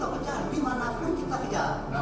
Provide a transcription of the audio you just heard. kalau dia tidak berhenti untuk berpahit kita pecah